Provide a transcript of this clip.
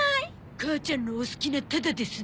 母ちゃんのお好きなタダですな。